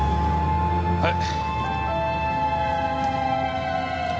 はい。